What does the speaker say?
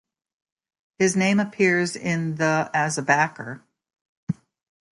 His name appears in the as a backer.